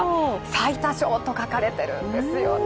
「最多勝」と書かれてるんですよね。